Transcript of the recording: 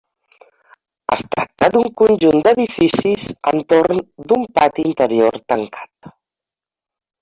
Es tracta d'un conjunt d'edificis entorn d'un pati interior tancat.